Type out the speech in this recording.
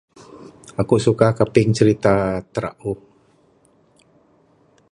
Aku'k suka kaping cerita trauh.